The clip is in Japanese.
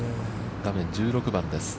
画面１６番です。